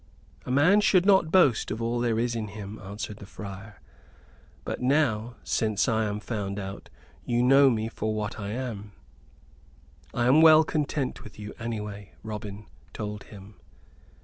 "A man should not boast of all there is in him," answered the friar. "But now, since I am found out, you know me for what I am." "I am well content with you, anyway," Robin told him.